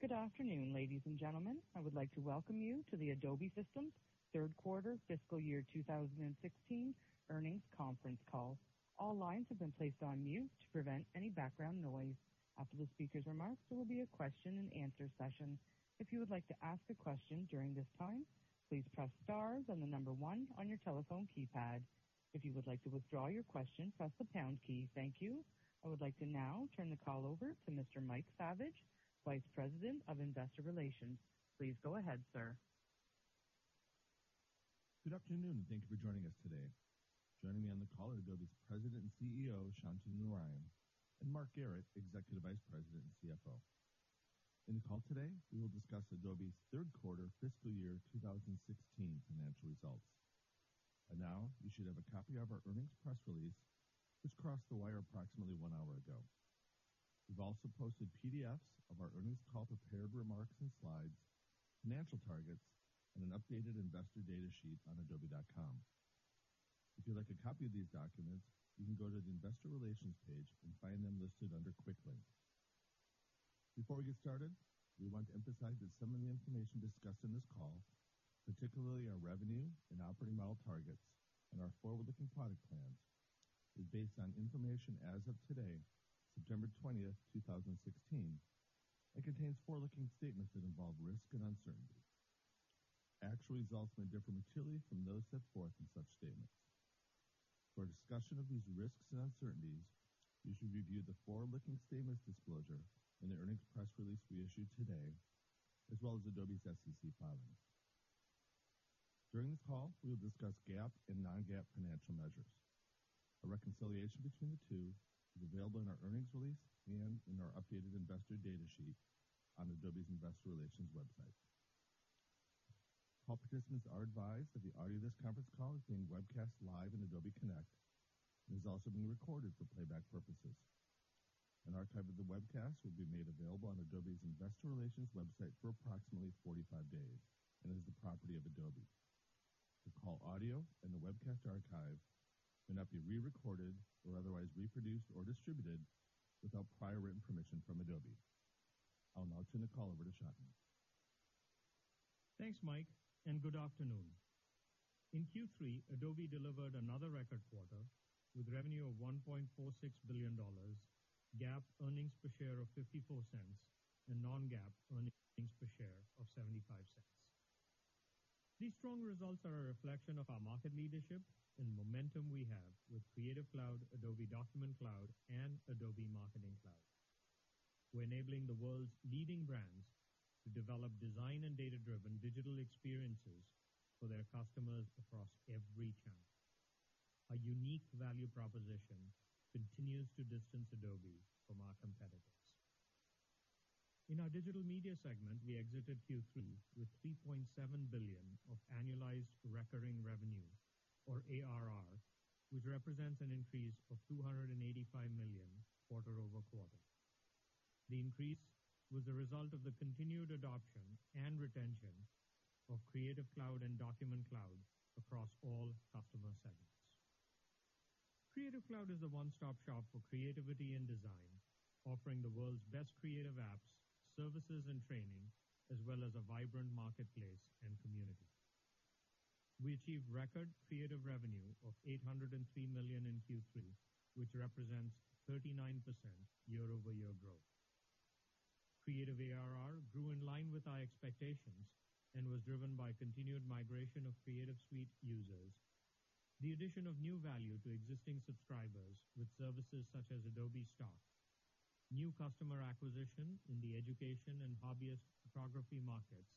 Good afternoon, ladies and gentlemen. I would like to welcome you to the Adobe Systems third quarter fiscal year 2016 earnings conference call. All lines have been placed on mute to prevent any background noise. After the speaker's remarks, there will be a question and answer session. If you would like to ask a question during this time, please press star and the number 1 on your telephone keypad. If you would like to withdraw your question, press the pound key. Thank you. I would like to now turn the call over to Mr. Mike Saviage, Vice President of Investor Relations. Please go ahead, sir. Good afternoon. Thank you for joining us today. Joining me on the call are Adobe's President and CEO, Shantanu Narayen, and Mark Garrett, Executive Vice President and CFO. In the call today, we will discuss Adobe's third quarter fiscal year 2016 financial results. Now, you should have a copy of our earnings press release, which crossed the wire approximately one hour ago. We've also posted PDFs of our earnings call, prepared remarks and slides, financial targets, and an updated investor data sheet on adobe.com. If you'd like a copy of these documents, you can go to the investor relations page and find them listed under quick links. Before we get started, we want to emphasize that some of the information discussed on this call, particularly our revenue and operating model targets and our forward-looking product plans, is based on information as of today, September 20th, 2016, and contains forward-looking statements that involve risk and uncertainty. Actual results may differ materially from those set forth in such statements. For a discussion of these risks and uncertainties, you should review the forward-looking statements disclosure in the earnings press release we issued today, as well as Adobe's SEC filings. During this call, we will discuss GAAP and non-GAAP financial measures. A reconciliation between the two is available in our earnings release and in our updated investor data sheet on Adobe's investor relations website. All participants are advised that the audio of this conference call is being webcast live in Adobe Connect and is also being recorded for playback purposes. An archive of the webcast will be made available on Adobe's investor relations website for approximately 45 days and is the property of Adobe. The call audio and the webcast archive may not be re-recorded or otherwise reproduced or distributed without prior written permission from Adobe. I'll now turn the call over to Shantanu. Thanks, Mike, and good afternoon. In Q3, Adobe delivered another record quarter with revenue of $1.46 billion, GAAP earnings per share of $0.54, and non-GAAP earnings per share of $0.75. These strong results are a reflection of our market leadership and momentum we have with Creative Cloud, Adobe Document Cloud, and Adobe Marketing Cloud. We're enabling the world's leading brands to develop design and data-driven digital experiences for their customers across every channel. Our unique value proposition continues to distance Adobe from our competitors. In our Digital Media segment, we exited Q3 with $3.7 billion of annualized recurring revenue, or ARR, which represents an increase of $285 million quarter-over-quarter. The increase was the result of the continued adoption and retention of Creative Cloud and Document Cloud across all customer segments. Creative Cloud is a one-stop shop for creativity and design, offering the world's best creative apps, services, and training, as well as a vibrant marketplace and community. We achieved record creative revenue of $803 million in Q3, which represents 39% year-over-year growth. Creative ARR grew in line with our expectations and was driven by continued migration of Creative Suite users, the addition of new value to existing subscribers with services such as Adobe Stock, new customer acquisition in the education and hobbyist photography markets,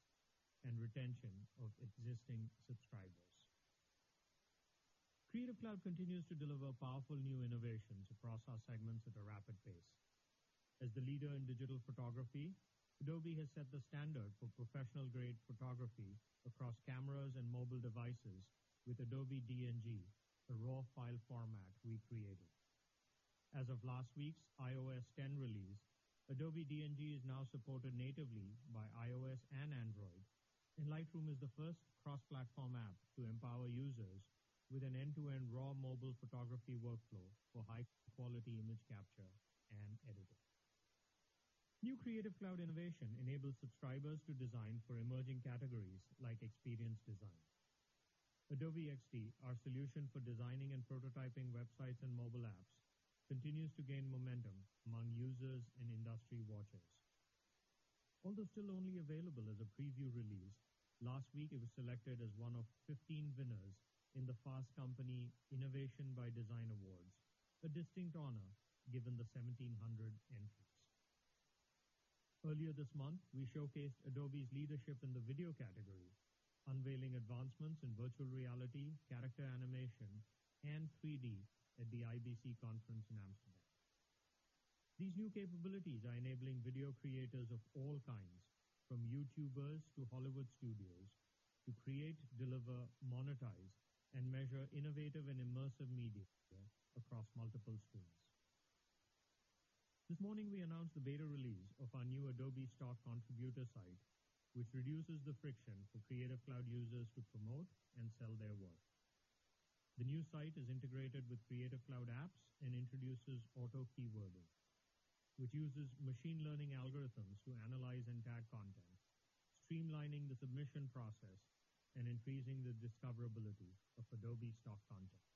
and retention of existing subscribers. Creative Cloud continues to deliver powerful new innovations across our segments at a rapid pace. As the leader in digital photography, Adobe has set the standard for professional-grade photography across cameras and mobile devices with Adobe DNG, the raw file format we created. As of last week's iOS 10 release, Adobe DNG is now supported natively by iOS and Android, and Lightroom is the first cross-platform app to empower users with an end-to-end raw mobile photography workflow for high-quality image capture and editing. New Creative Cloud innovation enables subscribers to design for emerging categories like experience design. Adobe XD, our solution for designing and prototyping websites and mobile apps, continues to gain momentum among users and industry watchers. Although still only available as a preview release, last week it was selected as one of 15 winners in the Fast Company Innovation by Design Awards, a distinct honor given the 1,700 entries. Earlier this month, we showcased Adobe's leadership in the video category, unveiling advancements in virtual reality, character animation, and 3D at the IBC Conference in Amsterdam. This morning, we announced the beta release of our new Adobe Stock contributor site, which reduces the friction for Creative Cloud users to promote and sell their work. The new site is integrated with Creative Cloud apps and introduces auto-keywording, which uses machine learning algorithms to analyze and tag content, streamlining the submission process and increasing the discoverability of Adobe Stock content.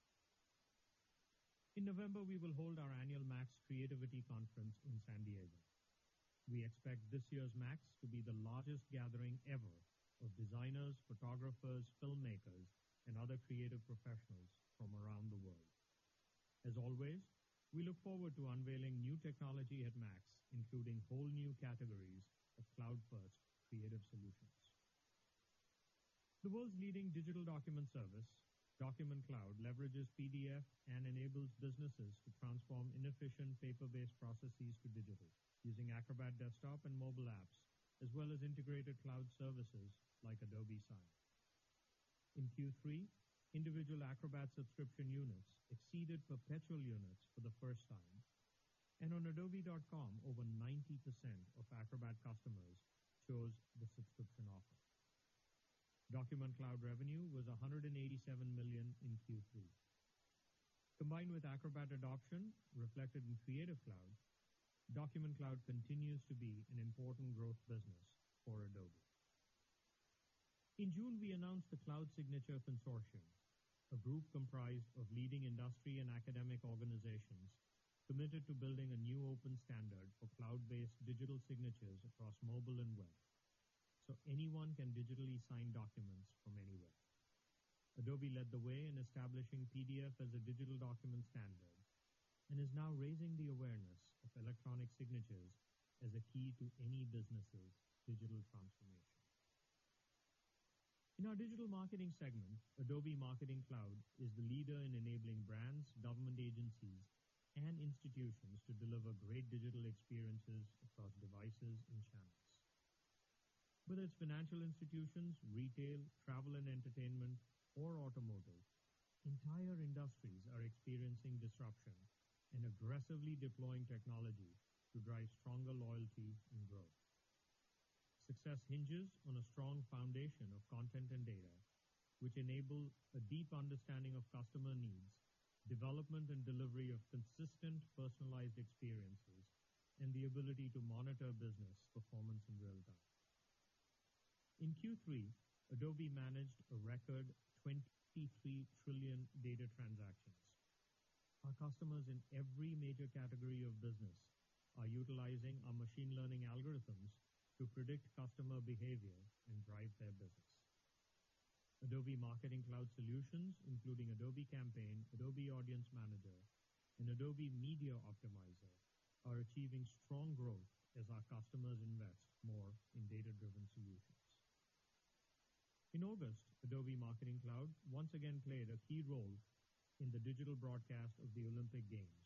In November, we will hold our annual MAX Creativity Conference in San Diego. We expect this year's MAX to be the largest gathering ever of designers, photographers, filmmakers, and other creative professionals from around the world. As always, we look forward to unveiling new technology at MAX, including whole new categories of cloud-first creative solutions. The world's leading digital document service, Document Cloud, leverages PDF and enables businesses to transform inefficient paper-based processes to digital using Acrobat desktop and mobile apps, as well as integrated cloud services like Adobe Sign. In Q3, individual Acrobat subscription units exceeded perpetual units for the first time, and on adobe.com, over 90% of Acrobat customers chose the subscription offer. Document Cloud revenue was $187 million in Q3. Combined with Acrobat adoption reflected in Creative Cloud, Document Cloud continues to be an important growth business for Adobe. In June, we announced the Cloud Signature Consortium, a group comprised of leading industry and academic organizations committed to building a new open standard for cloud-based digital signatures across mobile and web, so anyone can digitally sign documents from anywhere. Adobe led the way in establishing PDF as a digital document standard and is now raising the awareness of electronic signatures as a key to any business's digital transformation. In our Digital Marketing segment, Adobe Marketing Cloud is the leader in enabling brands, government agencies, and institutions to deliver great digital experiences across devices and channels. Whether it's financial institutions, retail, travel and entertainment, or automotive, entire industries are experiencing disruption and aggressively deploying technology to drive stronger loyalty and growth. Success hinges on a strong foundation of content and data, which enable a deep understanding of customer needs, development and delivery of consistent personalized experiences, and the ability to monitor business performance in real time. In Q3, Adobe managed a record 23 trillion data transactions. Our customers in every major category of business are utilizing our machine learning algorithms to predict customer behavior and drive their business. Adobe Marketing Cloud solutions, including Adobe Campaign, Adobe Audience Manager, and Adobe Media Optimizer, are achieving strong growth as our customers invest more in data-driven solutions. In August, Adobe Marketing Cloud once again played a key role in the digital broadcast of the Olympic Games.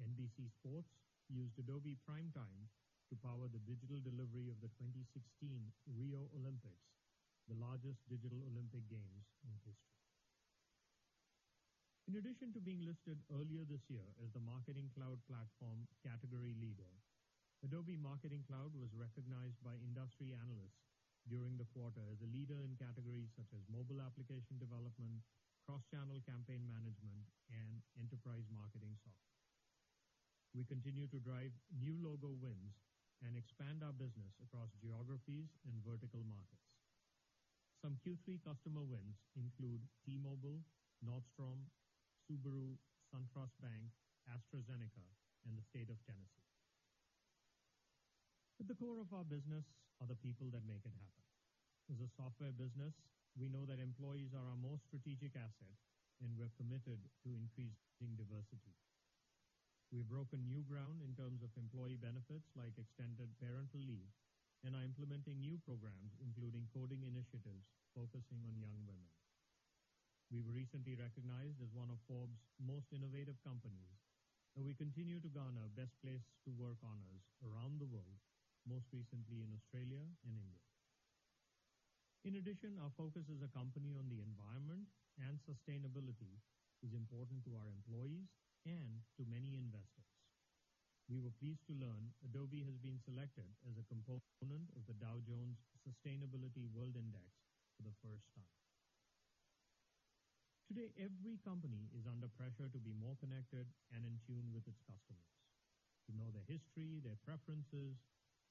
NBC Sports used Adobe Primetime to power the digital delivery of the 2016 Rio Olympics, the largest digital Olympic Games in history. In addition to being listed earlier this year as the Marketing Cloud Platform category leader, Adobe Marketing Cloud was recognized by industry analysts during the quarter as a leader in categories such as mobile application development, cross-channel campaign management, and enterprise marketing software. We continue to drive new logo wins and expand our business across geographies and vertical markets. Some Q3 customer wins include T-Mobile, Nordstrom, Subaru, SunTrust Bank, AstraZeneca, and the State of Tennessee. At the core of our business are the people that make it happen. As a software business, we know that employees are our most strategic asset, and we're committed to increasing diversity. We've broken new ground in terms of employee benefits like extended parental leave and are implementing new programs, including coding initiatives focusing on young women. We were recently recognized as one of Forbes' Most Innovative Companies, and we continue to garner Best Place to Work honors around the world, most recently in Australia and India. In addition, our focus as a company on the environment and sustainability is important to our employees and to many investors. We were pleased to learn Adobe has been selected as a component of the Dow Jones Sustainability World Index for the first time. Today, every company is under pressure to be more connected and in tune with its customers, to know their history, their preferences,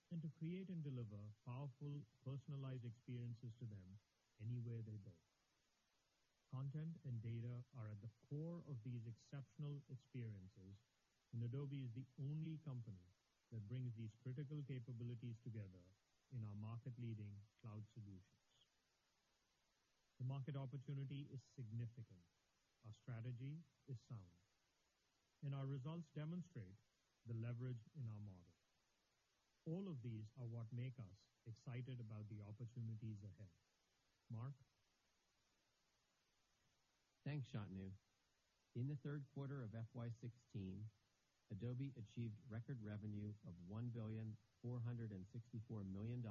and to create and deliver powerful, personalized experiences to them anywhere they go. Content and data are at the core of these exceptional experiences, and Adobe is the only company that brings these critical capabilities together in our market-leading cloud solutions. The market opportunity is significant. Our strategy is sound. Our results demonstrate the leverage in our model. All of these are what make us excited about the opportunities ahead. Mark? Thanks, Shantanu. In the third quarter of FY 2016, Adobe achieved record revenue of $1,464,000,000,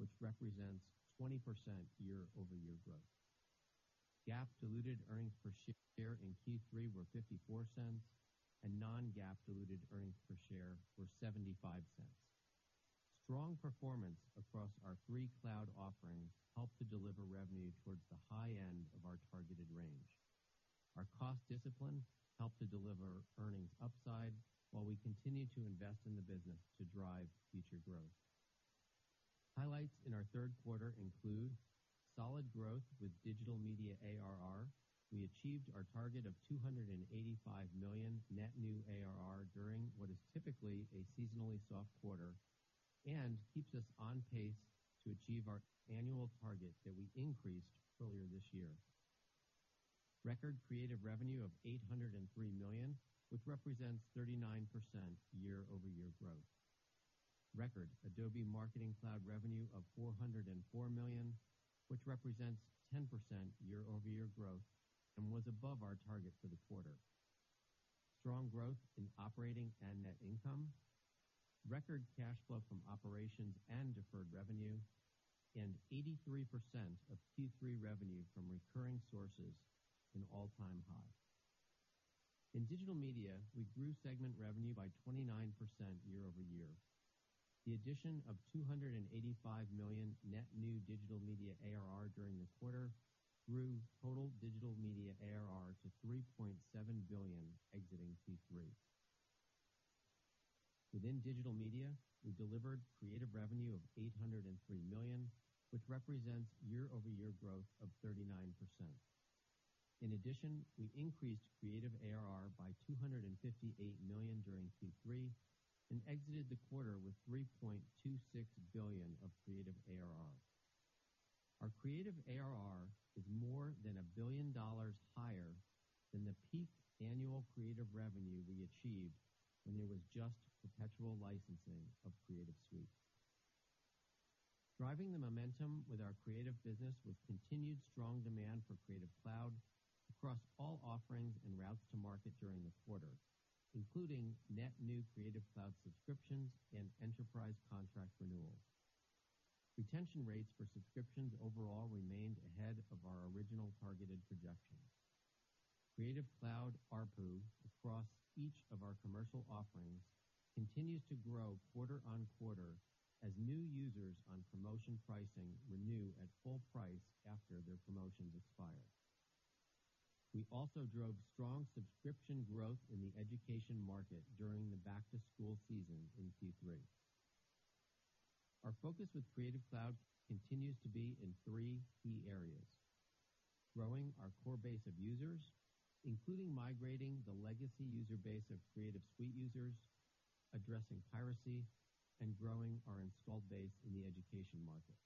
which represents 20% year-over-year growth. GAAP diluted earnings per share in Q3 were $0.54, and non-GAAP diluted earnings per share were $0.75. Strong performance across our three cloud offerings helped to deliver revenue towards the high end of our targeted range. Our cost discipline helped to deliver earnings upside while we continue to invest in the business to drive future growth. Highlights in our third quarter include solid growth with Digital Media ARR. We achieved our target of $285 million net new ARR during what is typically a seasonally soft quarter and keeps us on pace to achieve our annual target that we increased earlier this year. Record Creative revenue of $803 million, which represents 39% year-over-year growth. Record Adobe Marketing Cloud revenue of $404 million, which represents 10% year-over-year growth and was above our target for the quarter. Strong growth in operating and net income. Record cash flow from operations and deferred revenue, 83% of Q3 revenue from recurring sources, an all-time high. In Digital Media, we grew segment revenue by 29% year-over-year. The addition of $285 million net new Digital Media ARR during the quarter grew total Digital Media ARR to $3.7 billion exiting Q3. Within Digital Media, we delivered Creative revenue of $803 million, which represents year-over-year growth of 39%. In addition, we increased Creative ARR by $258 million during Q3 and exited the quarter with $3.26 billion of Creative ARR. Our Creative ARR is more than $1 billion higher than the peak annual Creative revenue we achieved when there was just perpetual licensing of Creative Suite. Driving the momentum with our Creative business with continued strong demand for Creative Cloud across all offerings and routes to market during the quarter, including net new Creative Cloud subscriptions and enterprise contract renewals. Retention rates for subscriptions overall remained ahead of our original targeted projections. Creative Cloud ARPU across each of our commercial offerings continues to grow quarter-on-quarter as new users on promotion pricing renew at full price after their promotions expire. We also drove strong subscription growth in the education market during the back-to-school season in Q3. Our focus with Creative Cloud continues to be in three key areas. Growing our core base of users, including migrating the legacy user base of Creative Suite users, addressing piracy, and growing our installed base in the education market.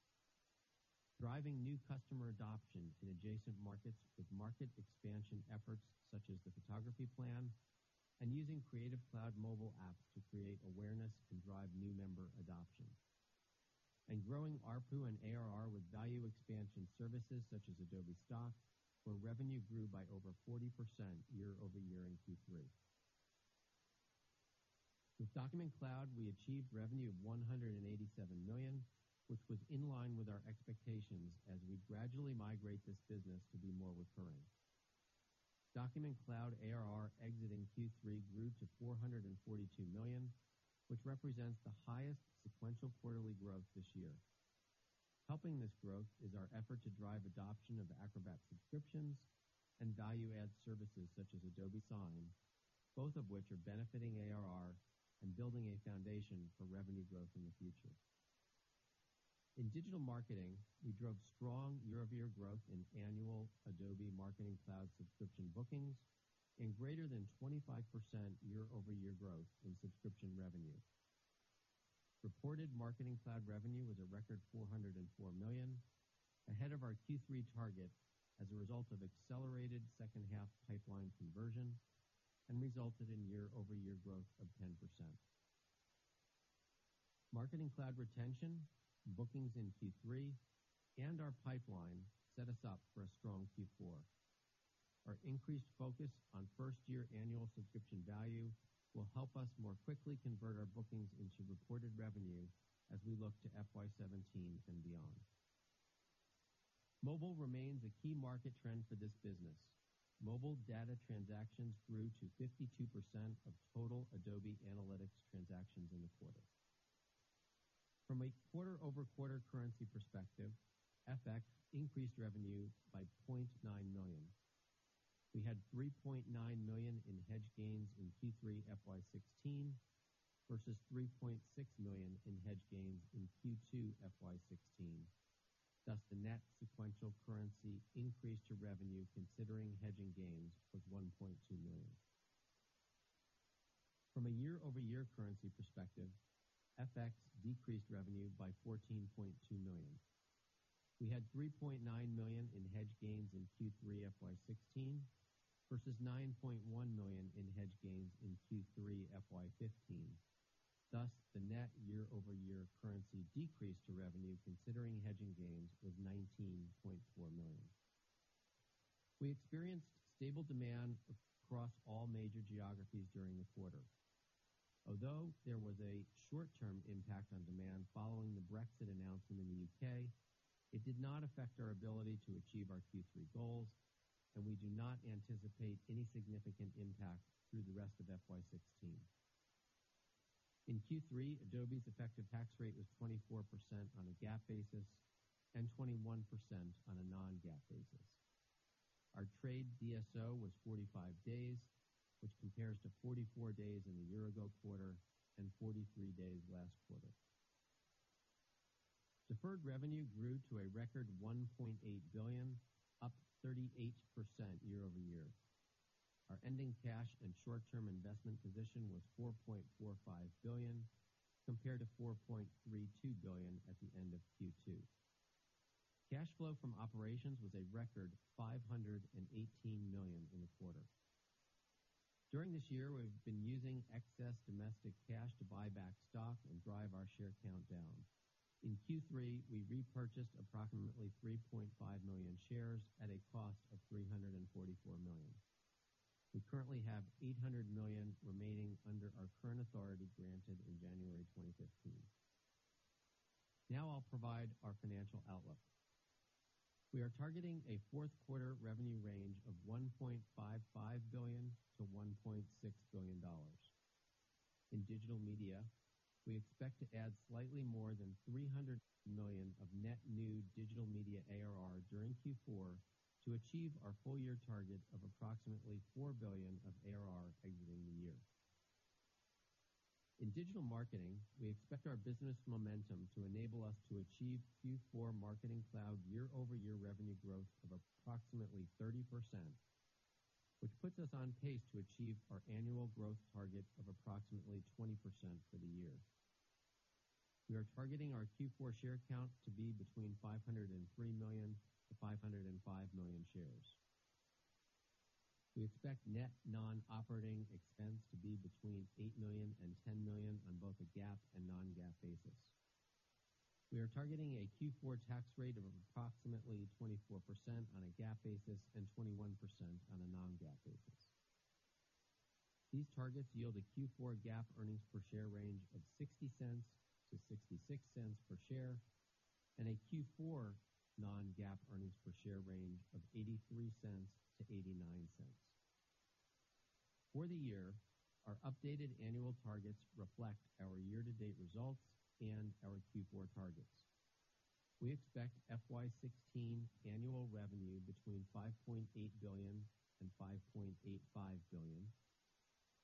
Driving new customer adoption in adjacent markets with market expansion efforts such as the Photography Plan and using Creative Cloud mobile apps to create awareness and drive new member adoption. Growing ARPU and ARR with value expansion services such as Adobe Stock, where revenue grew by over 40% year-over-year in Q3. With Document Cloud, we achieved revenue of $187 million, which was in line with our expectations as we gradually migrate this business to be more recurring. Document Cloud ARR exiting Q3 grew to $442 million, which represents the highest sequential quarterly growth this year. Helping this growth is our effort to drive adoption of Acrobat subscriptions and value-add services such as Adobe Sign, both of which are benefiting ARR and building a foundation for revenue growth in the future. In Digital Marketing, we drove strong year-over-year growth in annual Adobe Marketing Cloud subscription bookings and greater than 25% year-over-year growth in subscription revenue. Reported Marketing Cloud revenue was a record $404 million, ahead of our Q3 target as a result of accelerated second-half pipeline conversion and resulted in year-over-year growth of 10%. Marketing Cloud retention, bookings in Q3, and our pipeline set us up for a strong Q4. Our increased focus on first-year annual subscription value will help us more quickly convert our bookings into reported revenue as we look to FY 2017 and beyond. Mobile remains a key market trend for this business. Mobile data transactions grew to 52% of total Adobe Analytics transactions in the quarter. From a quarter-over-quarter currency perspective, FX increased revenue by $0.9 million. We had $3.9 million in hedge gains in Q3 FY 2016 versus $3.6 million in hedge gains in Q2 FY 2016. Thus, the net sequential currency increase to revenue considering hedging gains was $1.2 million. From a year-over-year currency perspective, FX decreased revenue by $14.2 million. We had $3.9 million in hedge gains in Q3 FY 2016 versus $9.1 million in hedge gains in Q3 FY 2015. Thus, the net year-over-year currency decrease to revenue considering hedging gains was $19.4 million. We experienced stable demand across all major geographies during the quarter. Although there was a short-term impact on demand, it did not affect our ability to achieve our Q3 goals, and we do not anticipate any significant impact through the rest of FY 2016. In Q3, Adobe's effective tax rate was 24% on a GAAP basis and 21% on a non-GAAP basis. Our trade DSO was 45 days, which compares to 44 days in the year-ago quarter and 43 days last quarter. Deferred revenue grew to a record $1.8 billion, up 38% year-over-year. Our ending cash and short-term investment position was $4.45 billion, compared to $4.32 billion at the end of Q2. Cash flow from operations was a record $518 million in the quarter. During this year, we've been using excess domestic cash to buy back stock and drive our share count down. In Q3, we repurchased approximately 3.5 million shares at a cost of $344 million. We currently have $800 million remaining under our current authority granted in January 2015. I'll provide our financial outlook. We are targeting a fourth quarter revenue range of $1.55 billion-$1.6 billion. In Digital Media, we expect to add slightly more than $300 million of net new Digital Media ARR during Q4 to achieve our full year target of approximately $4 billion of ARR exiting the year. In Digital Marketing, we expect our business momentum to enable us to achieve Q4 Marketing Cloud year-over-year revenue growth of approximately 30%, which puts us on pace to achieve our annual growth target of approximately 20% for the year. We are targeting our Q4 share count to be between 503 million-505 million shares. We expect net non-operating expense to be between $8 million and $10 million on both a GAAP and non-GAAP basis. We are targeting a Q4 tax rate of approximately 24% on a GAAP basis and 21% on a non-GAAP basis. These targets yield a Q4 GAAP earnings per share range of $0.60-$0.66 per share and a Q4 non-GAAP earnings per share range of $0.83-$0.89. For the year, our updated annual targets reflect our year-to-date results and our Q4 targets. We expect FY 2016 annual revenue between $5.8 billion and $5.85 billion,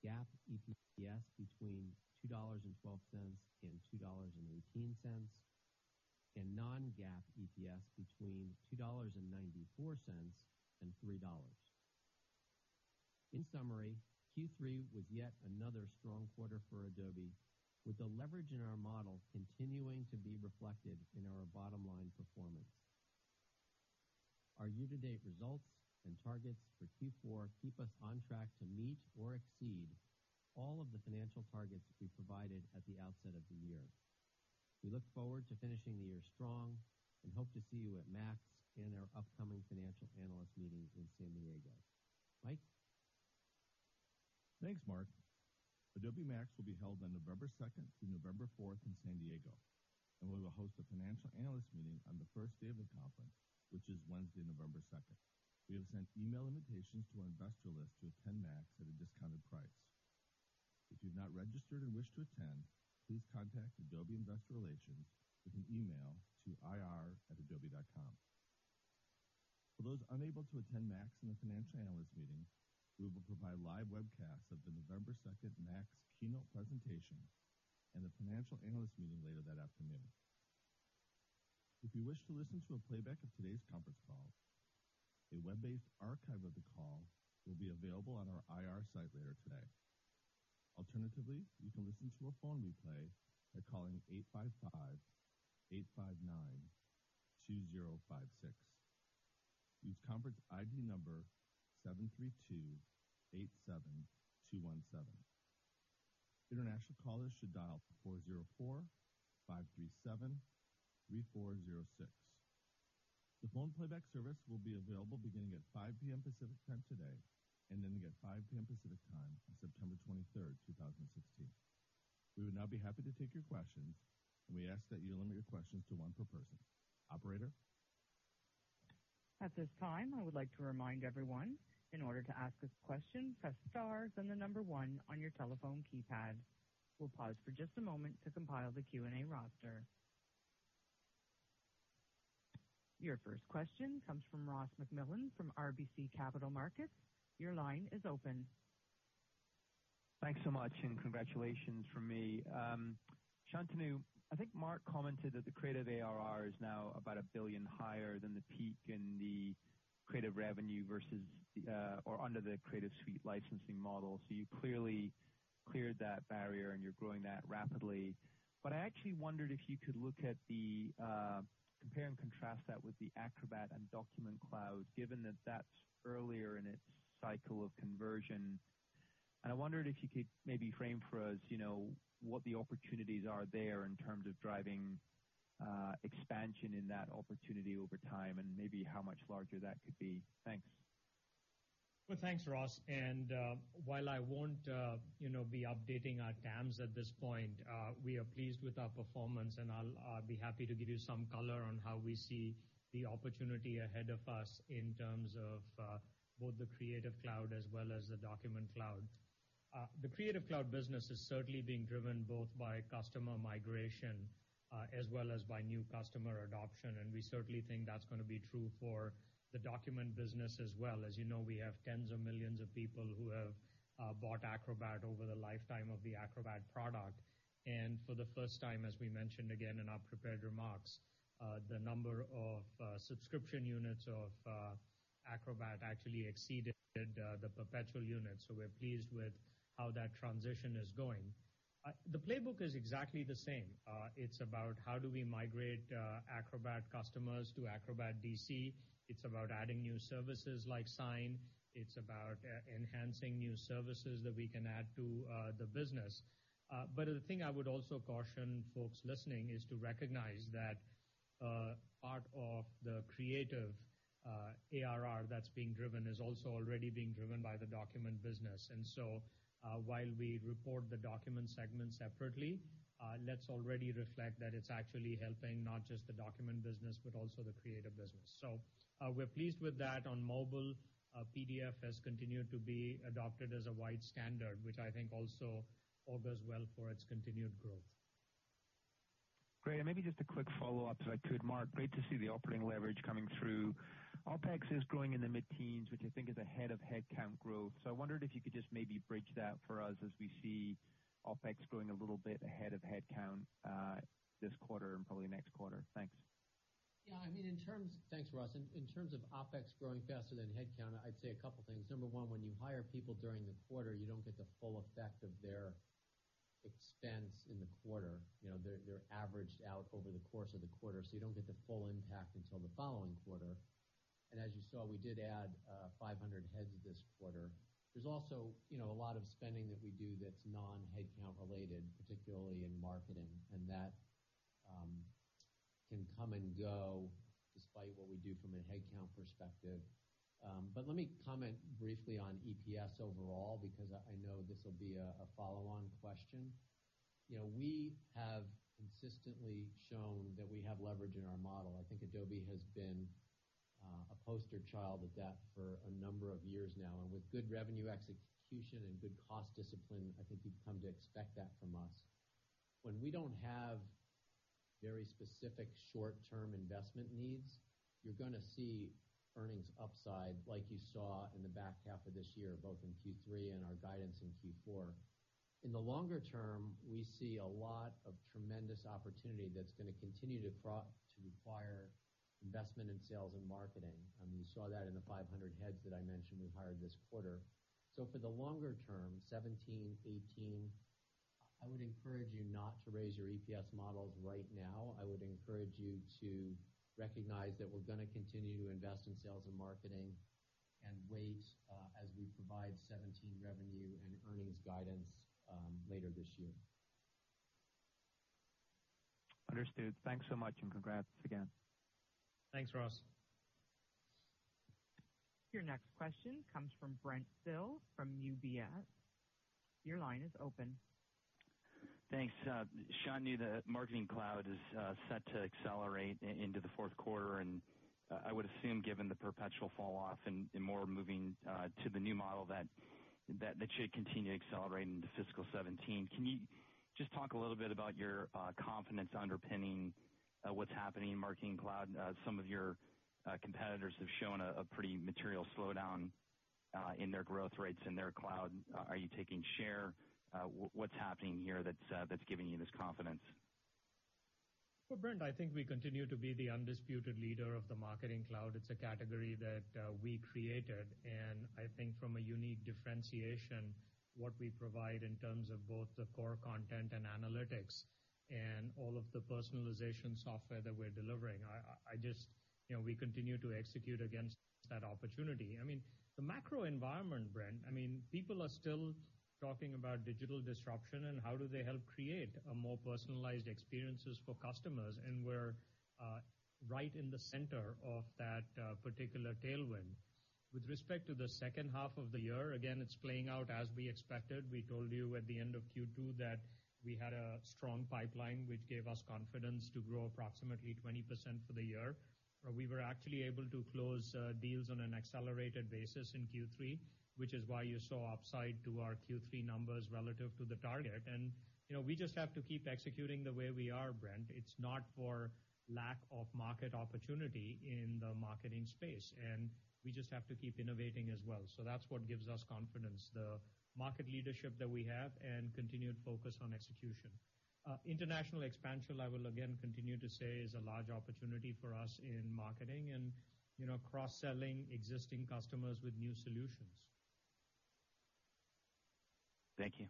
GAAP EPS between $2.12 and $2.18, and non-GAAP EPS between $2.94 and $3. In summary, Q3 was yet another strong quarter for Adobe, with the leverage in our model continuing to be reflected in our bottom line performance. Our year-to-date results and targets for Q4 keep us on track to meet or exceed all of the financial targets that we provided at the outset of the year. We look forward to finishing the year strong and hope to see you at MAX and our upcoming financial analyst meeting in San Diego. Mike? Thanks, Mark. Adobe MAX will be held on November 2nd-November 4th in San Diego, and we will host a financial analyst meeting on the first day of the conference, which is Wednesday, November 2nd. We have sent email invitations to our investor list to attend MAX at a discounted price. If you've not registered and wish to attend, please contact Adobe Investor Relations with an email to ir@adobe.com. For those unable to attend MAX and the financial analyst meeting, we will provide live webcasts of the November 2nd MAX keynote presentation and the financial analyst meeting later that afternoon. If you wish to listen to a playback of today's conference call, a web-based archive of the call will be available on our IR site later today. Alternatively, you can listen to a phone replay by calling 855-859-2056. Use conference ID number 73287217. International callers should dial 404-537-3406. The phone playback service will be available beginning at 5:00 P.M. Pacific Time today and ending at 5:00 P.M. Pacific Time on September 23rd, 2016. We would now be happy to take your questions, and we ask that you limit your questions to one per person. Operator? At this time, I would like to remind everyone, in order to ask a question, press star, then the number one on your telephone keypad. We'll pause for just a moment to compile the Q&A roster. Your first question comes from Ross MacMillan from RBC Capital Markets. Your line is open. Thanks so much. Congratulations from me. Shantanu, I think Mark commented that the creative ARR is now about $1 billion higher than the peak in the creative revenue versus, or under the Creative Suite licensing model. You clearly cleared that barrier, and you're growing that rapidly. I actually wondered if you could look at the compare and contrast that with the Acrobat and Document Cloud, given that that's earlier in its cycle of conversion. I wondered if you could maybe frame for us what the opportunities are there in terms of driving expansion in that opportunity over time and maybe how much larger that could be. Thanks. Well, thanks, Ross. While I won't be updating our TAMs at this point, we are pleased with our performance, and I'll be happy to give you some color on how we see the opportunity ahead of us in terms of both the Creative Cloud as well as the Document Cloud. The Creative Cloud business is certainly being driven both by customer migration as well as by new customer adoption, and we certainly think that's going to be true for the document business as well. As you know, we have tens of millions of people who have bought Acrobat over the lifetime of the Acrobat product. For the first time, as we mentioned again in our prepared remarks, the number of subscription units of Acrobat actually exceeded the perpetual units. We're pleased with how that transition is going. The playbook is exactly the same. It's about how do we migrate Acrobat customers to Acrobat DC. It's about adding new services like Sign. It's about enhancing new services that we can add to the business. The thing I would also caution folks listening is to recognize that part of the creative ARR that's being driven is also already being driven by the document business. While we report the document segment separately, let's already reflect that it's actually helping not just the document business but also the creative business. We're pleased with that. On mobile, PDF has continued to be adopted as a wide standard, which I think also all bodes well for its continued growth. Great. Maybe just a quick follow-up, if I could, Mark. Great to see the operating leverage coming through. OpEx is growing in the mid-teens, which I think is ahead of headcount growth. I wondered if you could just maybe bridge that for us as we see OpEx growing a little bit ahead of headcount this quarter and probably next quarter. Thanks. Yeah. Thanks, Ross. In terms of OpEx growing faster than headcount, I'd say a couple things. Number one, when you hire people during the quarter, you don't get the full effect of their expense in the quarter. They're averaged out over the course of the quarter, you don't get the full impact until the following quarter. As you saw, we did add 500 heads this quarter. There's also a lot of spending that we do that's non-headcount related, particularly in marketing, that can come and go despite what we do from a headcount perspective. Let me comment briefly on EPS overall, because I know this'll be a follow-on question. We have consistently shown that we have leverage in our model. I think Adobe has been a poster child of that for a number of years now. With good revenue execution and good cost discipline, I think you've come to expect that from us. When we don't have very specific short-term investment needs, you're going to see earnings upside like you saw in the back half of this year, both in Q3 and our guidance in Q4. In the longer term, we see a lot of tremendous opportunity that's going to continue to require investment in sales and marketing. You saw that in the 500 heads that I mentioned we hired this quarter. For the longer term, 2017, 2018, I would encourage you not to raise your EPS models right now. I would encourage you to recognize that we're going to continue to invest in sales and marketing and wait as we provide 2017 revenue and earnings guidance later this year. Understood. Thanks so much, congrats again. Thanks, Ross. Your next question comes from Brent Thill from UBS. Your line is open. Thanks. Shantanu, the Marketing Cloud is set to accelerate into the fourth quarter. I would assume given the perpetual fall off and more moving to the new model, that should continue accelerating into fiscal 2017. Can you just talk a little bit about your confidence underpinning what's happening in Marketing Cloud? Some of your competitors have shown a pretty material slowdown in their growth rates in their cloud. Are you taking share? What's happening here that's giving you this confidence? Well, Brent, I think we continue to be the undisputed leader of the Marketing Cloud. It's a category that we created. I think from a unique differentiation, what we provide in terms of both the core content and analytics and all of the personalization software that we're delivering, we continue to execute against that opportunity. The macro environment, Brent, people are still talking about digital disruption and how do they help create more personalized experiences for customers. We're right in the center of that particular tailwind. With respect to the second half of the year, again, it's playing out as we expected. We told you at the end of Q2 that we had a strong pipeline, which gave us confidence to grow approximately 20% for the year. We were actually able to close deals on an accelerated basis in Q3, which is why you saw upside to our Q3 numbers relative to the target. We just have to keep executing the way we are, Brent. It's not for lack of market opportunity in the marketing space. We just have to keep innovating as well. That's what gives us confidence, the market leadership that we have and continued focus on execution. International expansion, I will again continue to say, is a large opportunity for us in marketing and cross-selling existing customers with new solutions. Thank you.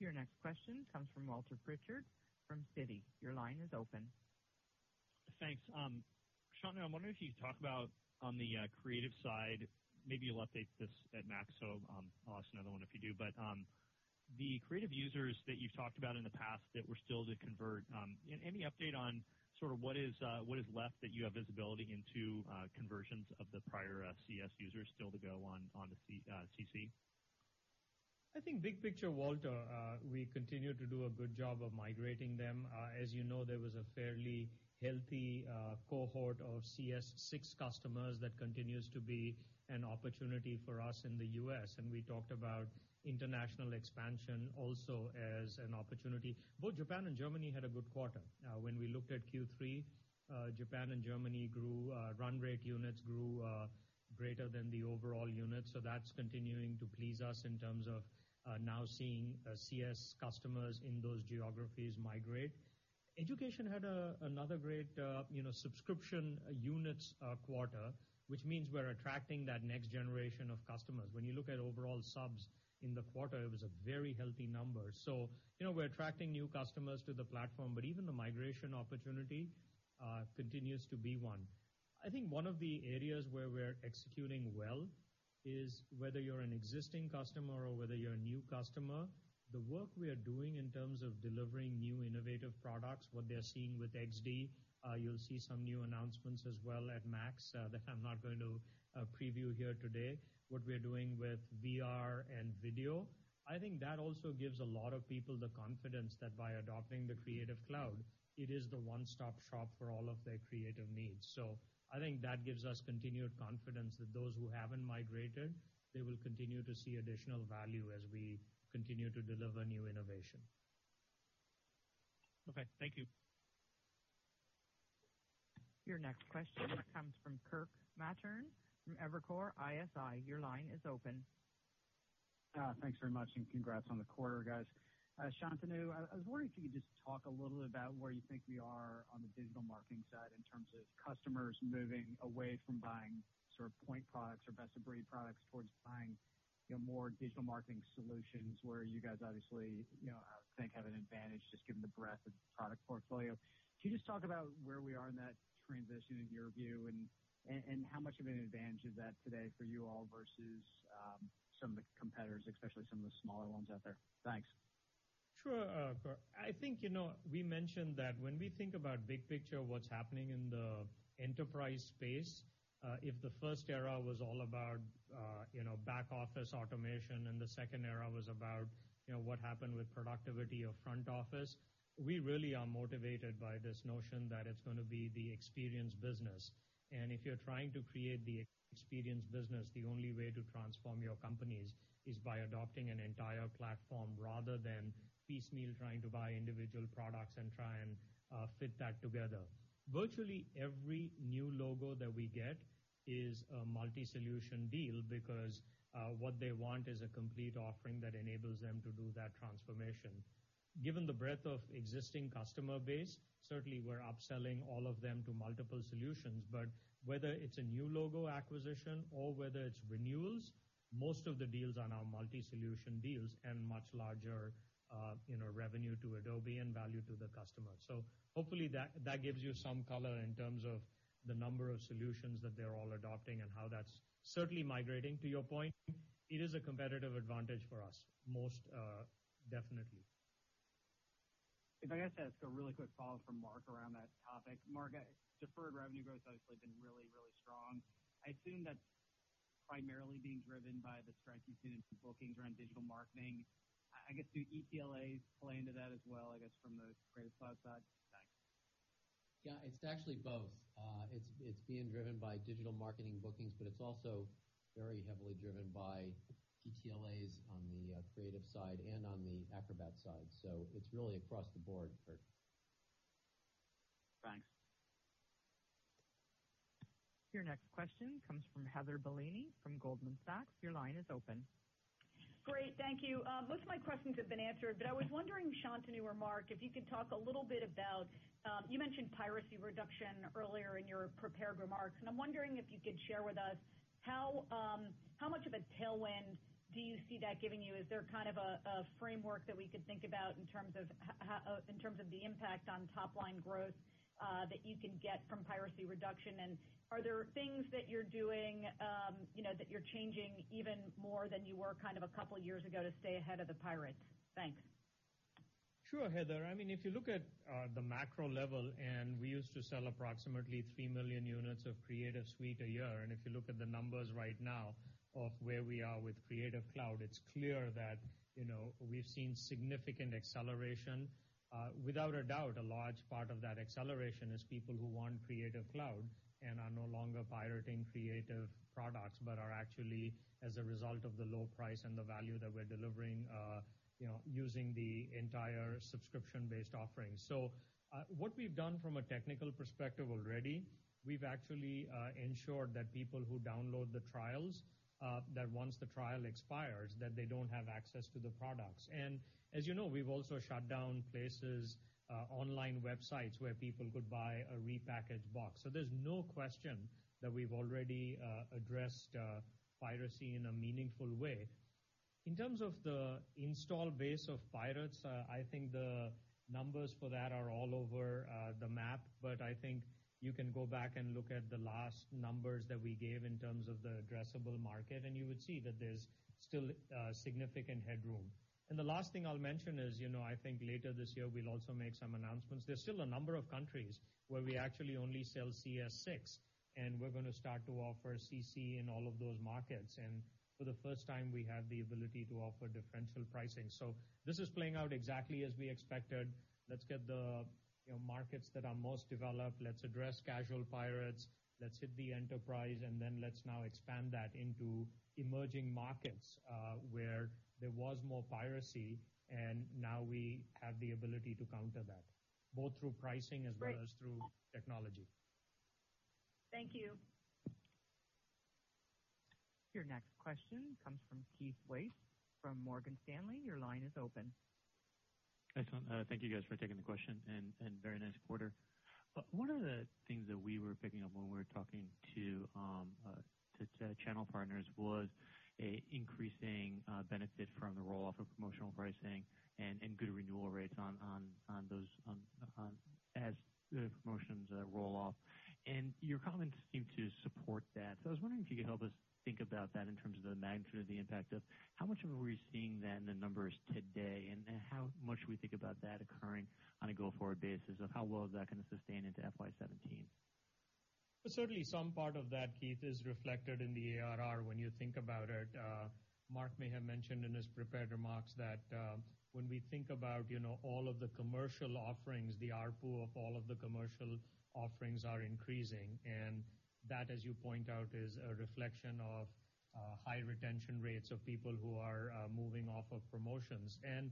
Your next question comes from Walter Pritchard from Citi. Your line is open. Thanks. Shantanu, I'm wondering if you could talk about on the creative side, maybe you'll update this at MAX, so I'll ask another one if you do. The Creative users that you've talked about in the past that were still to convert. Any update on sort of what is left that you have visibility into conversions of the prior CS users still to go on the CC? I think big picture, Walter, we continue to do a good job of migrating them. As you know, there was a fairly healthy cohort of CS6 customers that continues to be an opportunity for us in the U.S., and we talked about international expansion also as an opportunity. Both Japan and Germany had a good quarter. When we looked at Q3, Japan and Germany run rate units grew greater than the overall units. That's continuing to please us in terms of now seeing CS customers in those geographies migrate. Education had another great subscription units quarter, which means we're attracting that next generation of customers. When you look at overall subs in the quarter, it was a very healthy number. We're attracting new customers to the platform, but even the migration opportunity continues to be one. I think one of the areas where we're executing well is whether you're an existing customer or whether you're a new customer, the work we are doing in terms of delivering new innovative products, what they're seeing with XD, you'll see some new announcements as well at MAX that I'm not going to preview here today, what we are doing with VR and video. I think that also gives a lot of people the confidence that by adopting the Creative Cloud, it is the one-stop shop for all of their creative needs. I think that gives us continued confidence that those who haven't migrated, they will continue to see additional value as we continue to deliver new innovation. Okay. Thank you. Your next question comes from Kirk Materne from Evercore ISI. Your line is open. Thanks very much, and congrats on the quarter, guys. Shantanu, I was wondering if you could just talk a little bit about where you think we are on the Digital Marketing side in terms of customers moving away from buying sort of point products or best-of-breed products towards buying more Digital Marketing solutions where you guys obviously, I would think have an advantage just given the breadth of product portfolio. Could you just talk about where we are in that transition in your view and how much of an advantage is that today for you all versus some of the competitors, especially some of the smaller ones out there? Thanks. Sure, Kirk. I think we mentioned that when we think about big picture of what's happening in the enterprise space, if the first era was all about back office automation, and the second era was about what happened with productivity of front office, we really are motivated by this notion that it's going to be the experience business. If you're trying to create the experience business, the only way to transform your companies is by adopting an entire platform rather than piecemeal trying to buy individual products and try and fit that together. Virtually every new logo that we get is a multi-solution deal because what they want is a complete offering that enables them to do that transformation. Given the breadth of existing customer base, certainly we're upselling all of them to multiple solutions, but whether it's a new logo acquisition or whether it's renewals, most of the deals are now multi-solution deals and much larger revenue to Adobe and value to the customer. Hopefully that gives you some color in terms of the number of solutions that they're all adopting and how that's certainly migrating to your point. It is a competitive advantage for us. Most definitely. If I could ask a really quick follow-up from Mark around that topic. Mark, deferred revenue growth has obviously been really, really strong. I assume that's primarily being driven by the strength you've seen in some bookings around Digital Marketing. I guess do ETLAs play into that as well, I guess from the Creative Cloud side? Thanks. It's actually both. It's being driven by Digital Marketing bookings, but it's also very heavily driven by ETLAs on the creative side and on the Acrobat side. It's really across the board, Kirk. Thanks. Your next question comes from Heather Bellini from Goldman Sachs. Your line is open. Great. Thank you. Most of my questions have been answered. I'm wondering, Shantanu or Mark, if you could talk a little bit about, you mentioned piracy reduction earlier in your prepared remarks. I'm wondering if you could share with us how much of a tailwind do you see that giving you? Is there kind of a framework that we could think about in terms of the impact on top line growth that you can get from piracy reduction? Are there things that you're doing that you're changing even more than you were kind of a couple of years ago to stay ahead of the pirates? Thanks. Sure, Heather. If you look at the macro level, we used to sell approximately three million units of Creative Suite a year. If you look at the numbers right now of where we are with Creative Cloud, it's clear that we've seen significant acceleration. Without a doubt, a large part of that acceleration is people who want Creative Cloud and are no longer pirating creative products, but are actually, as a result of the low price and the value that we're delivering, using the entire subscription-based offering. What we've done from a technical perspective already, we've actually ensured that people who download the trials, that once the trial expires, that they don't have access to the products. As you know, we've also shut down places, online websites where people could buy a repackaged box. There's no question that we've already addressed piracy in a meaningful way. In terms of the install base of pirates, I think the numbers for that are all over the map, but I think you can go back and look at the last numbers that we gave in terms of the addressable market, and you would see that there's still significant headroom. The last thing I'll mention is, I think later this year we'll also make some announcements. There's still a number of countries where we actually only sell CS6, and we're going to start to offer CC in all of those markets. For the first time, we have the ability to offer differential pricing. This is playing out exactly as we expected. Let's get the markets that are most developed, let's address casual pirates, let's hit the enterprise, then let's now expand that into emerging markets where there was more piracy and now we have the ability to counter that, both through pricing as well as through technology. Thank you. Your next question comes from Keith Weiss from Morgan Stanley. Your line is open. Excellent. Thank you guys for taking the question, and very nice quarter. One of the things that we were picking up when we were talking to channel partners was increasing benefit from the roll-off of promotional pricing and good renewal rates as the promotions roll off. Your comments seem to support that. I was wondering if you could help us think about that in terms of the magnitude of the impact of how much of it we're seeing then in the numbers today, and then how much we think about that occurring on a go-forward basis, of how well is that going to sustain into FY 2017? Well, certainly some part of that, Keith, is reflected in the ARR when you think about it. Mark may have mentioned in his prepared remarks that when we think about all of the commercial offerings, the ARPU of all of the commercial offerings are increasing, and that, as you point out, is a reflection of high retention rates of people who are moving off of promotions. And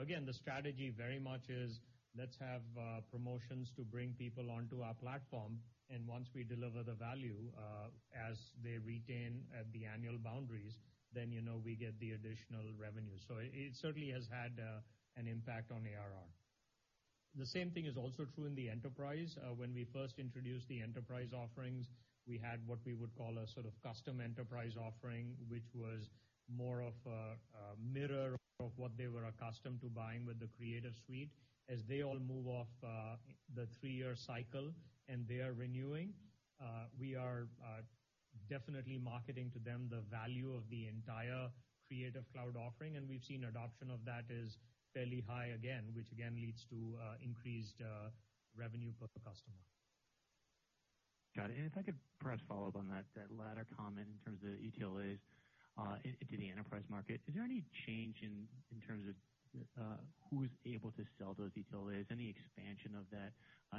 again, the strategy very much is let's have promotions to bring people onto our platform, and once we deliver the value, as they retain at the annual boundaries, then we get the additional revenue. It certainly has had an impact on ARR. The same thing is also true in the enterprise. When we first introduced the enterprise offerings, we had what we would call a sort of custom enterprise offering, which was more of a mirror of what they were accustomed to buying with the Creative Suite. As they all move off the three-year cycle and they are renewing, we are definitely marketing to them the value of the entire Creative Cloud offering, and we've seen adoption of that is fairly high again, which again, leads to increased revenue per customer. Got it. If I could perhaps follow up on that latter comment in terms of the ETLAs into the enterprise market. Is there any change in terms of who's able to sell those ETLAs? Any expansion of that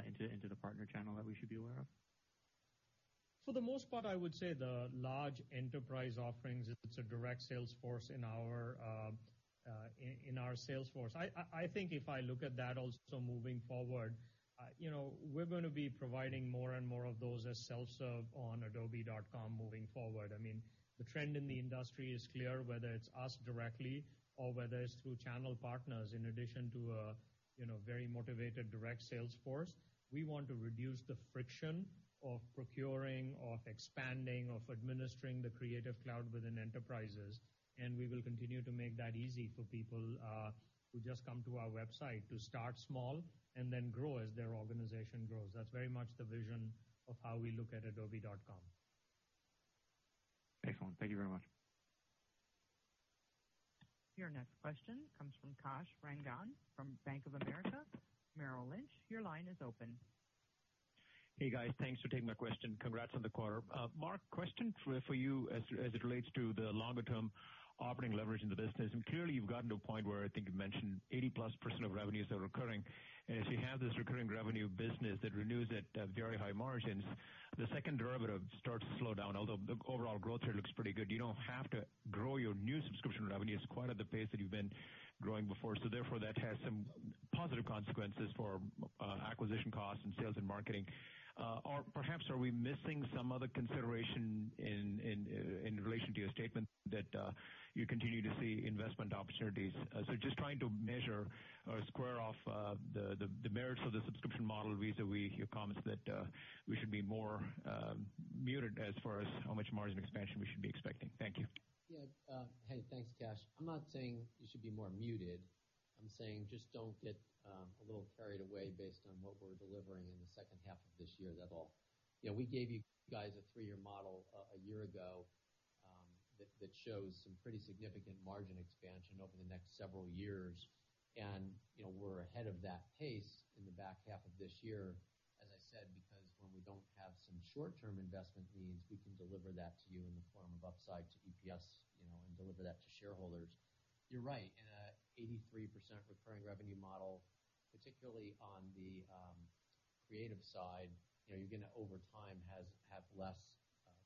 into the partner channel that we should be aware of? For the most part, I would say the large enterprise offerings, it's a direct sales force in our sales force. I think if I look at that also moving forward, we're going to be providing more and more of those as self-serve on adobe.com moving forward. The trend in the industry is clear, whether it's us directly or whether it's through channel partners, in addition to a very motivated direct sales force. We want to reduce the friction of procuring, of expanding, of administering the Creative Cloud within enterprises, and we will continue to make that easy for people who just come to our website to start small and then grow as their organization grows. That's very much the vision of how we look at adobe.com. Excellent. Thank you very much. Your next question comes from Kash Rangan from Bank of America Merrill Lynch. Your line is open. Hey, guys. Thanks for taking my question. Congrats on the quarter. Mark, question for you as it relates to the longer-term operating leverage in the business, and clearly you've gotten to a point where I think you mentioned 80-plus% of revenues are recurring. If you have this recurring revenue business that renews at very high margins, the second derivative starts to slow down, although the overall growth rate looks pretty good. You don't have to grow your new subscription revenues quite at the pace that you've been growing before. Therefore, that has some positive consequences for acquisition costs and sales and marketing. Perhaps are we missing some other consideration in relation to your statement that you continue to see investment opportunities? Just trying to measure or square off the merits of the subscription model vis-à-vis your comments that we should be more muted as far as how much margin expansion we should be expecting. Thank you. Yeah. Hey, thanks, Kash. I'm not saying you should be more muted. I'm saying just don't get a little carried away based on what we're delivering in the second half of this year. That's all. We gave you guys a three-year model a year ago that shows some pretty significant margin expansion over the next several years, and we're ahead of that pace in the back half of this year, as I said, because when we don't have some short-term investment needs, we can deliver that to you in the form of upside to EPS, and deliver that to shareholders. You're right. In a 83% recurring revenue model, particularly on the Creative side, you're going to, over time, have less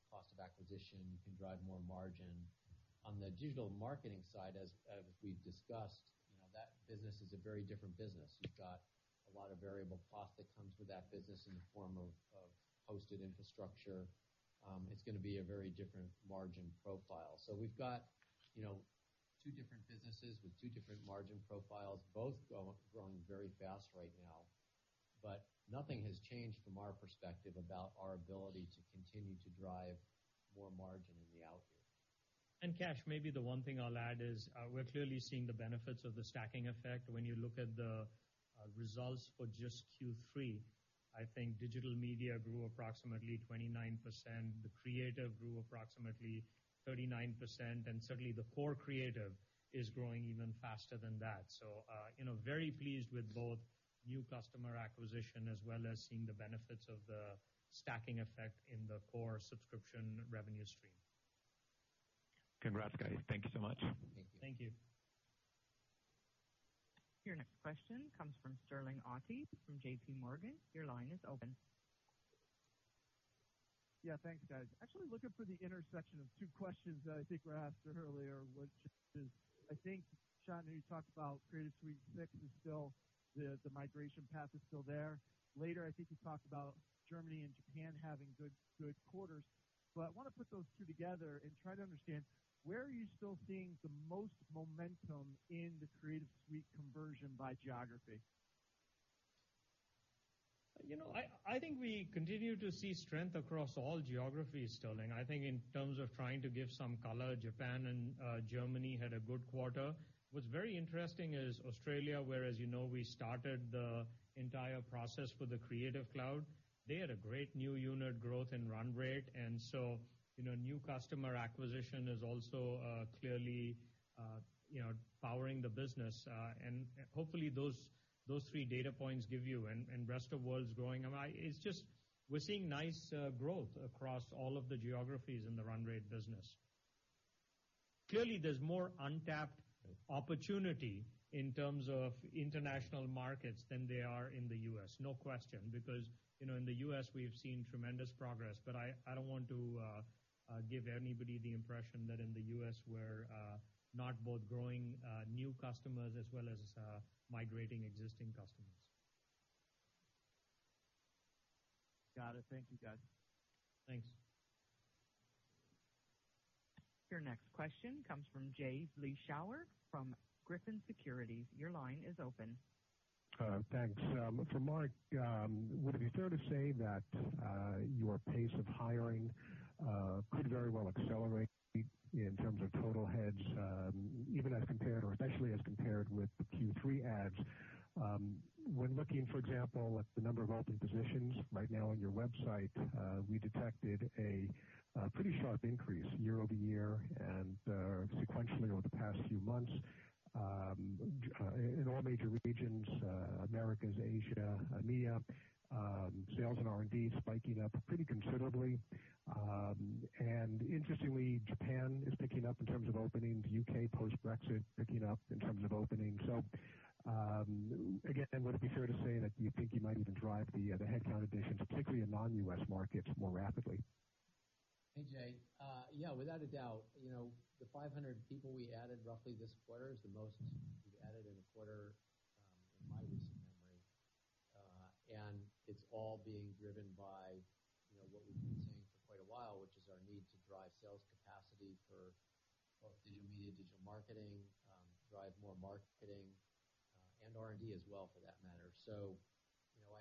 cost of acquisition. You can drive more margin. On the Digital Marketing side, as we've discussed, that business is a very different business. We've got a lot of variable cost that comes with that business in the form of hosted infrastructure. It's going to be a very different margin profile. We've got two different margin profiles, both growing very fast right now. Nothing has changed from our perspective about our ability to continue to drive more margin in the outlook. Kash, maybe the one thing I'll add is, we're clearly seeing the benefits of the stacking effect. When you look at the results for just Q3, I think Digital Media grew approximately 29%, the Creative grew approximately 39%, and certainly the core Creative is growing even faster than that. Very pleased with both new customer acquisition as well as seeing the benefits of the stacking effect in the core subscription revenue stream. Congrats, guys. Thank you so much. Thank you. Thank you. Your next question comes from Sterling Auty from JP Morgan. Your line is open. Yeah, thanks, guys. Actually looking for the intersection of two questions that I think were asked earlier, which is, I think, Shantanu, you talked about Creative Suite 6, the migration path is still there. Later, I think you talked about Germany and Japan having good quarters. I want to put those two together and try to understand where are you still seeing the most momentum in the Creative Suite conversion by geography? I think we continue to see strength across all geographies, Sterling. I think in terms of trying to give some color, Japan and Germany had a good quarter. What's very interesting is Australia, where as you know we started the entire process for the Creative Cloud. They had a great new unit growth and run rate, new customer acquisition is also clearly powering the business. Hopefully those three data points give you, and rest of world's growing. We're seeing nice growth across all of the geographies in the run rate business. Clearly, there's more untapped opportunity in terms of international markets than there are in the U.S., no question, because in the U.S., we've seen tremendous progress. I don't want to give anybody the impression that in the U.S. we're not both growing new customers as well as migrating existing customers. Got it. Thank you, guys. Thanks. Your next question comes from Jay from Griffin Securities. Your line is open. Thanks. For Mark, would it be fair to say that your pace of hiring could very well accelerate in terms of total heads, even as compared, or especially as compared with the Q3 adds? When looking, for example, at the number of open positions right now on adobe.com, we detected a pretty sharp increase year-over-year and sequentially over the past few months in all major regions, Americas, Asia, EMEA, sales and R&D spiking up pretty considerably. Interestingly, Japan is picking up in terms of openings. U.K. post-Brexit, picking up in terms of openings. Again, would it be fair to say that you think you might even drive the headcount additions, particularly in non-U.S. markets, more rapidly? Hey, Jay. Yeah, without a doubt. The 500 people we added roughly this quarter is the most we've added in a quarter in my recent memory. It's all being driven by what we've been saying for quite a while, which is our need to drive sales capacity for both Digital Media, Digital Marketing, drive more marketing, and R&D as well for that matter.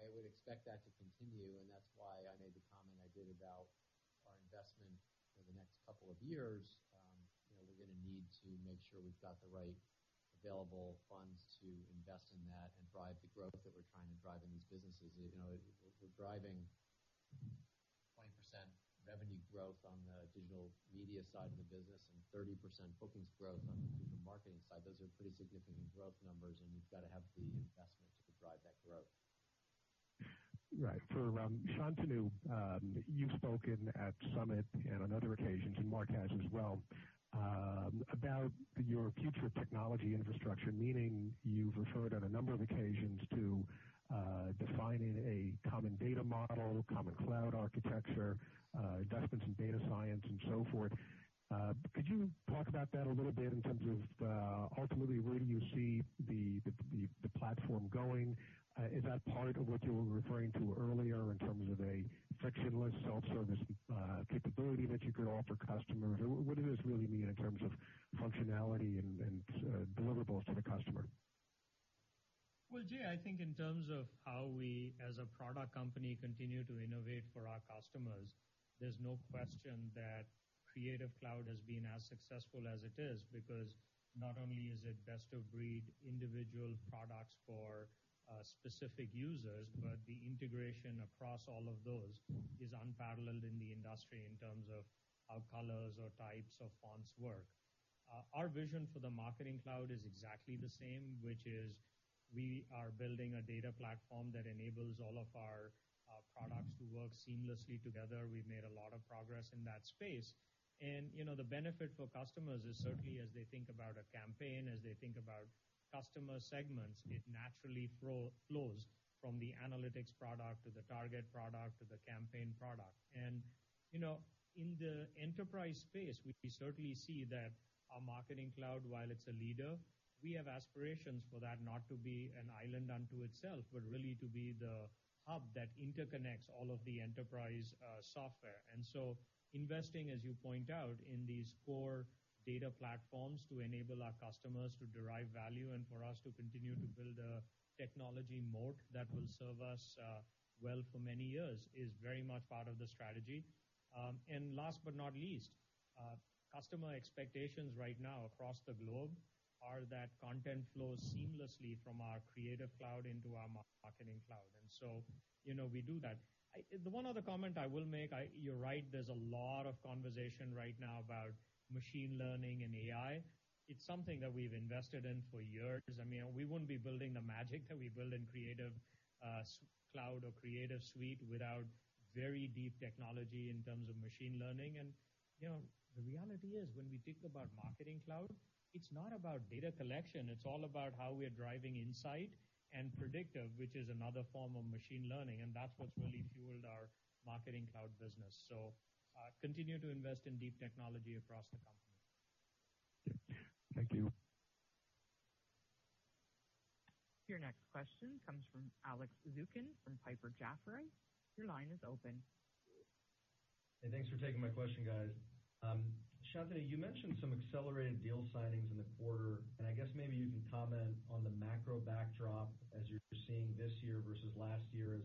I would expect that to continue, and that's why I made the comment I did about our investment for the next couple of years. We're going to need to make sure we've got the right available funds to invest in that and drive the growth that we're trying to drive in these businesses. We're driving 20% revenue growth on the Digital Media side of the business and 30% bookings growth on the Digital marketing side. Those are pretty significant growth numbers, you've got to have the investment to drive that growth. Right. For Shantanu, you've spoken at Summit and on other occasions, and Mark has as well, about your future technology infrastructure, meaning you've referred on a number of occasions to defining a common data model, common cloud architecture, investments in data science and so forth. Could you talk about that a little bit in terms of ultimately where do you see the platform going? Is that part of what you were referring to earlier in terms of a frictionless self-service capability that you could offer customers? What does this really mean in terms of functionality and deliverables to the customer? Well, Jay, I think in terms of how we, as a product company, continue to innovate for our customers, there's no question that Creative Cloud has been as successful as it is because not only is it best-of-breed individual products for specific users, but the integration across all of those is unparalleled in the industry in terms of how colors or types of fonts work. Our vision for the Marketing Cloud is exactly the same, which is we are building a data platform that enables all of our products to work seamlessly together. We've made a lot of progress in that space. The benefit for customers is certainly as they think about a campaign, as they think about customer segments, it naturally flows from the Analytics product, the Target product, or the Campaign product. In the enterprise space, we certainly see that our Marketing Cloud, while it's a leader, we have aspirations for that not to be an island unto itself, but really to be the hub that interconnects all of the enterprise software. Investing, as you point out, in these core data platforms to enable our customers to derive value and for us to continue to build a technology moat that will serve us well for many years is very much part of the strategy. Last but not least, customer expectations right now across the globe are that content flows seamlessly from our Creative Cloud into our Marketing Cloud. We do that. The one other comment I will make, you're right, there's a lot of conversation right now about machine learning and AI. It's something that we've invested in for years. We wouldn't be building the magic that we build in Creative Cloud or Creative Suite without very deep technology in terms of machine learning. The reality is, when we think about Marketing Cloud, it's not about data collection. It's all about how we are driving insight and predictive, which is another form of machine learning, and that's what's really fueled our Marketing Cloud business. Continue to invest in deep technology across the company. Thank you. Your next question comes from Alex Zukin from Piper Jaffray. Your line is open. Hey, thanks for taking my question, guys. Shantanu, you mentioned some accelerated deal signings in the quarter. I guess maybe you can comment on the macro backdrop as you're seeing this year versus last year, as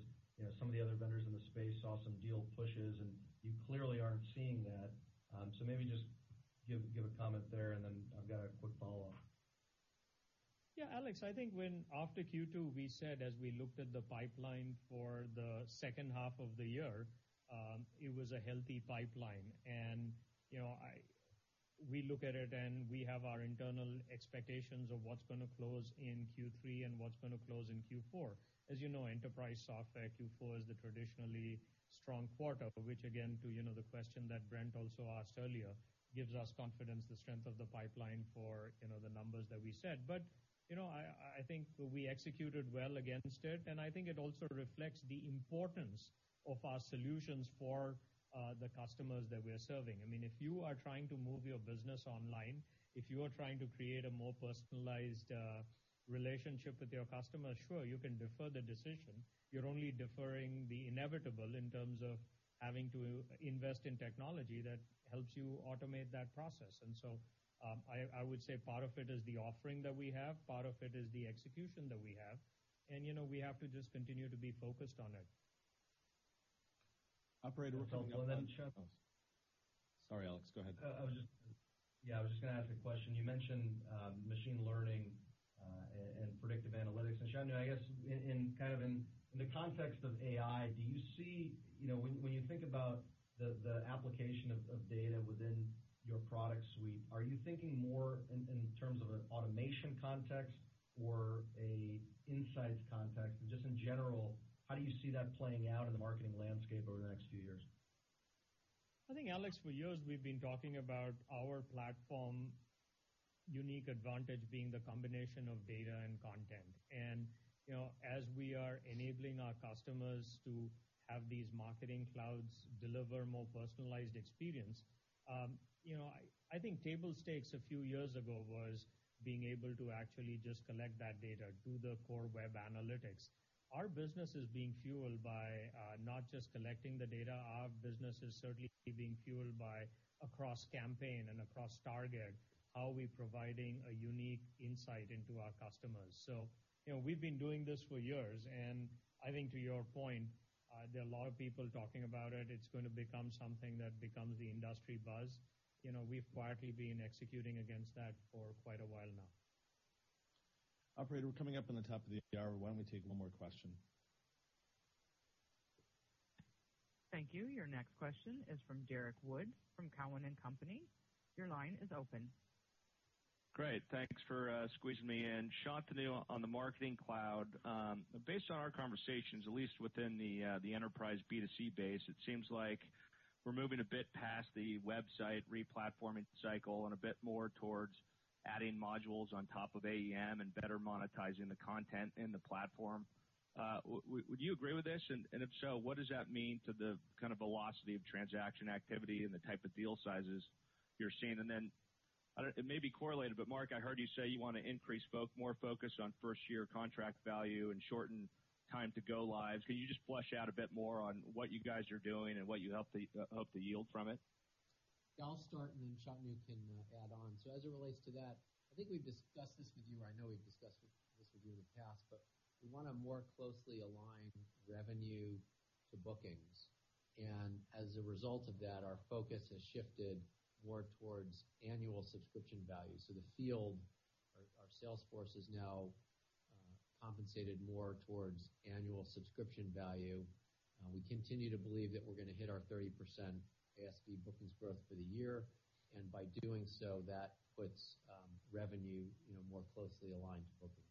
some of the other vendors in the space saw some deal pushes. You clearly aren't seeing that. Maybe just give a comment there and then I've got a quick follow-up. Yeah, Alex, I think when after Q2, we said as we looked at the pipeline for the second half of the year, it was a healthy pipeline. We look at it and we have our internal expectations of what's going to close in Q3 and what's going to close in Q4. You know, enterprise software, Q4 is the traditionally strong quarter for which again, to the question that Brent also asked earlier, gives us confidence the strength of the pipeline for the numbers that we said. I think we executed well against it, and I think it also reflects the importance of our solutions for the customers that we're serving. If you are trying to move your business online, if you are trying to create a more personalized relationship with your customers, sure, you can defer the decision. You're only deferring the inevitable in terms of having to invest in technology that helps you automate that process. I would say part of it is the offering that we have, part of it is the execution that we have, and we have to just continue to be focused on it. Operator, we're coming up on- Shant- Sorry, Alex. Go ahead. Yeah, I was just going to ask a question. You mentioned machine learning and predictive analytics. Shantanu, I guess, in the context of AI, when you think about the application of data within your product suite, are you thinking more in terms of an automation context or a insights context? Just in general, how do you see that playing out in the marketing landscape over the next few years? I think Alex Zukin, for years we've been talking about our platform unique advantage being the combination of data and content. As we are enabling our customers to have these marketing clouds deliver more personalized experience, I think table stakes a few years ago was being able to actually just collect that data, do the core web analytics. Our business is being fueled by not just collecting the data. Our business is certainly being fueled by across Campaign and across Target, how are we providing a unique insight into our customers. We've been doing this for years, and I think to your point, there are a lot of people talking about it. It's going to become something that becomes the industry buzz. We've quietly been executing against that for quite a while now. Operator, we're coming up on the top of the hour. Why don't we take one more question? Thank you. Your next question is from Derrick Wood, from Cowen and Company. Your line is open. Great. Thanks for squeezing me in. Shantanu, on the Marketing Cloud, based on our conversations, at least within the enterprise B2C base, it seems like we're moving a bit past the website re-platforming cycle and a bit more towards adding modules on top of AEM and better monetizing the content in the platform. If so, what does that mean to the velocity of transaction activity and the type of deal sizes you're seeing? Then, it may be correlated, but Mark, I heard you say you want to increase more focus on first-year contract value and shorten time to go lives. Can you just flesh out a bit more on what you guys are doing and what you hope to yield from it? I'll start and then Shantanu can add on. As it relates to that, I think we've discussed this with you, or I know we've discussed this with you in the past, but we want to more closely align revenue to bookings. As a result of that, our focus has shifted more towards annual subscription value. The field, our sales force is now compensated more towards annual subscription value. We continue to believe that we're going to hit our 30% ASV bookings growth for the year, and by doing so, that puts revenue more closely aligned to bookings.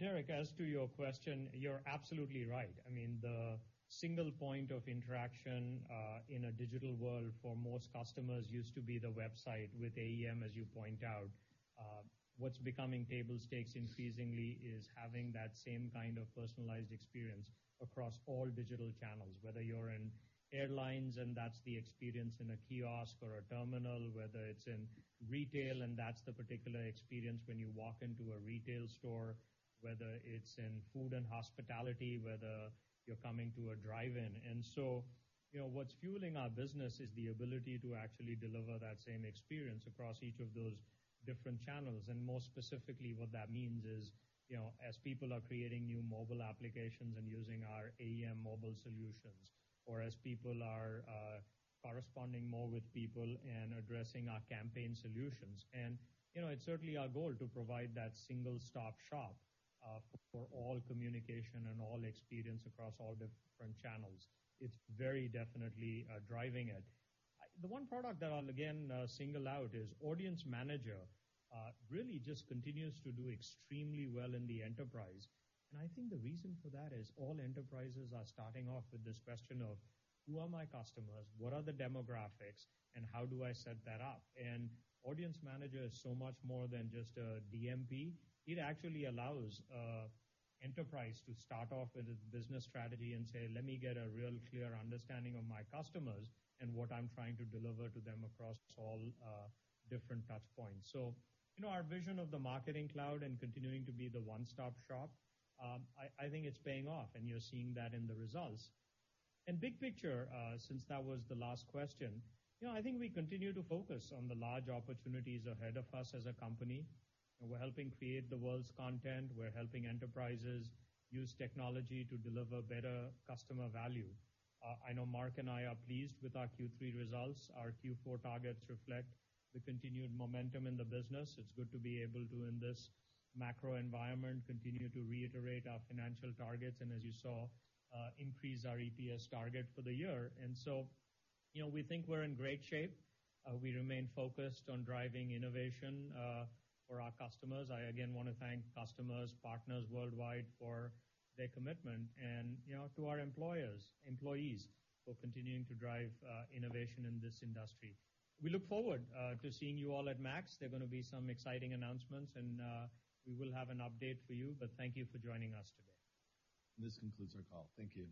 Derrick, as to your question, you're absolutely right. I mean the single point of interaction in a digital world for most customers used to be the website with AEM, as you point out. What's becoming table stakes increasingly is having that same kind of personalized experience across all digital channels, whether you're in airlines, and that's the experience in a kiosk or a terminal, whether it's in retail, and that's the particular experience when you walk into a retail store, whether it's in food and hospitality, whether you're coming to a drive-in. What's fueling our business is the ability to actually deliver that same experience across each of those different channels. More specifically, what that means is, as people are creating new mobile applications and using our AEM Mobile solutions, or as people are corresponding more with people and addressing our Campaign solutions. It's certainly our goal to provide that one-stop shop for all communication and all experience across all different channels. It's very definitely driving it. The one product that I'll again single out is Audience Manager. Really just continues to do extremely well in the enterprise. I think the reason for that is all enterprises are starting off with this question of, who are my customers? What are the demographics? How do I set that up? Audience Manager is so much more than just a DMP. It actually allows enterprise to start off with a business strategy and say, "Let me get a real clear understanding of my customers and what I'm trying to deliver to them across all different touch points." Our vision of the Marketing Cloud and continuing to be the one-stop shop, I think it's paying off, and you're seeing that in the results. Big picture, since that was the last question, I think we continue to focus on the large opportunities ahead of us as a company. We're helping create the world's content. We're helping enterprises use technology to deliver better customer value. I know Mark and I are pleased with our Q3 results. Our Q4 targets reflect the continued momentum in the business. It's good to be able to, in this macro environment, continue to reiterate our financial targets, and as you saw, increase our EPS target for the year. We think we're in great shape. We remain focused on driving innovation for our customers. I again want to thank customers, partners worldwide for their commitment and to our employees for continuing to drive innovation in this industry. We look forward to seeing you all at MAX. There are going to be some exciting announcements, and we will have an update for you, but thank you for joining us today. This concludes our call. Thank you.